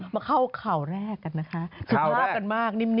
มาเข้าข่าวแรกกันนะคะสุภาพกันมากนิ่ม